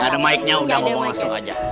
gak ada mic nya udah ngomong langsung aja